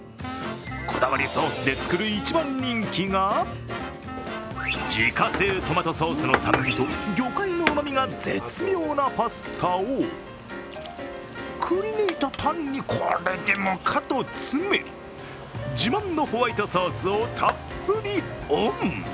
こだわりソースで作る一番人気が自家製トマトソースの酸味と魚介のうまみが絶妙なパスタをくり抜いたパンにこれでもかと詰め、自慢のホワイトソースをたっぷりオン。